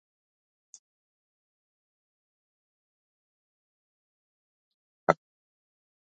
The couple had one child, Anne France Mannheimer, later known as Anne France Engelhard.